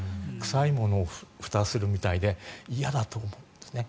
臭いものにふたをするみたいで嫌だと思うんですね。